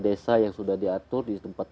desa yang sudah diatur di tempat